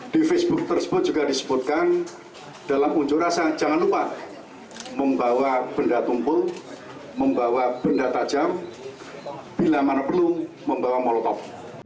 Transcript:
di facebook tersebut juga disebutkan dalam unjuk rasa jangan lupa membawa benda tumpul membawa benda tajam bila mana perlu membawa molotov